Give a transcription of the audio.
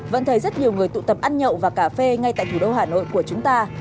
vẫn thấy rất nhiều người tụ tập ăn nhậu và cà phê ngay tại thủ đô hà nội của chúng ta